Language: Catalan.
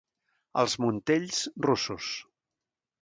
Als Muntells, russos.